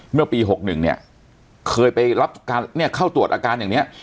เมื่อปี๖๑เนี่ยเคยไปเข้าตรวจอาการอย่างนี้